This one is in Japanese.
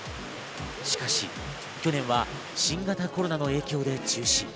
しかし去年は新型コロナの影響で中止。